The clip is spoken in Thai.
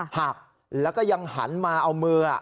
หักแล้วก็ยังหันมาเอามือ